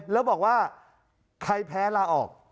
แล้วบอกว่าใครแพ้ลาออก